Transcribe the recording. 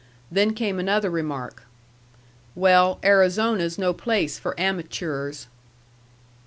Then came another remark. "Well, Arizona's no place for amatures."